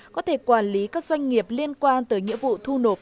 có thể quản lý các doanh nghiệp liên quan tới nghĩa vụ thu nộp